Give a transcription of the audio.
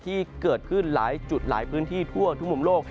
ที่เกิดขึ้นหลายจุดหลายพื้นที่ทั่วทุกมุมโลก